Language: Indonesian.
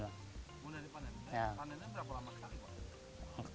mudah dipanenkan panennya berapa lama